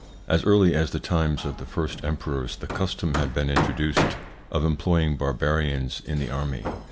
As early as the times of the first emperors the custom had been introduced of employing Barbarians in the army.